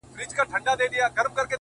o تا ولي هر څه اور ته ورکړل د یما لوري،